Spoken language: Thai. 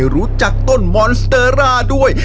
รู้จักต้นมอนสเตอร่าด้วย